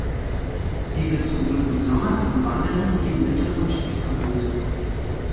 Sie wird sowohl im Sommer von Wanderern wie im Winter von Skifahrern besucht.